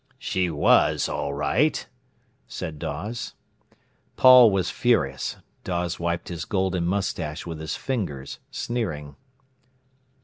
"She was all right," said Dawes. Paul was furious. Dawes wiped his golden moustache with his fingers, sneering.